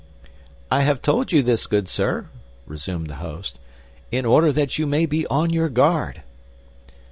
"I have told you this, good sir," resumed the host, "in order that you may be on your guard."